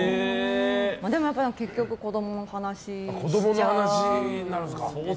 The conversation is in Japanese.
でも結局、子供の話しちゃうんですよね。